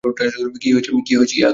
কী হয়েছে, ইয়াকারি?